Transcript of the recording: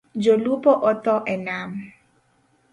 Jo lupo otho e nam.